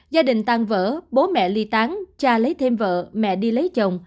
gia đình tan vỡ bố mẹ ly tán cha lấy thêm vợ mẹ đi lấy chồng